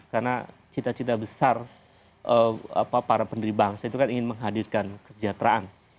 karena cita cita besar para pendiri bangsa itu kan ingin menghadirkan kesejahteraan